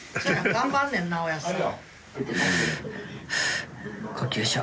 頑張んねんなおやっさん。